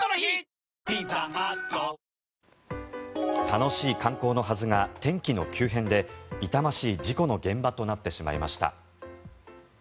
楽しい観光のはずが天気の急変で痛ましい事故の現場となってしまいました。